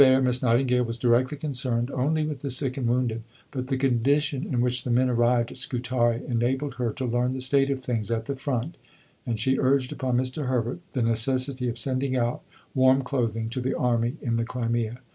As Purveyor, Miss Nightingale was directly concerned only with the sick and wounded; but the condition in which the men arrived at Scutari enabled her to learn the state of things at the front, and she urged upon Mr. Herbert the necessity of sending out warm clothing to the army in the Crimea.